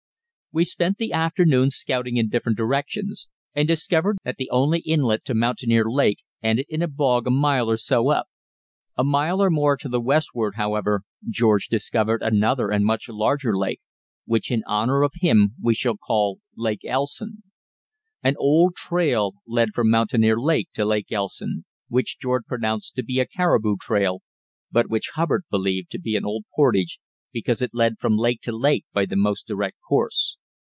We spent the afternoon scouting in different directions, and discovered that the only inlet to Mountaineer Lake ended in a bog a mile or so up. A mile or more to the westward, however, George discovered another and much larger lake, which in honour of him we shall call Lake Elson. An old trail led from Mountaineer Lake to Lake Elson, which George pronounced to be a caribou trail, but which Hubbard believed to be an old portage, because it led from lake to lake by the most direct course.